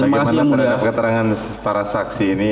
bagaimana keterangan para saksi ini